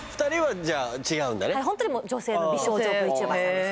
はいホントにもう女性の美少女ＶＴｕｂｅｒさんです